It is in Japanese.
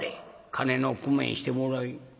金の工面してもらい。